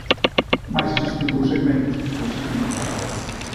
Mais existen dous segmentos que se resisten ao cambio.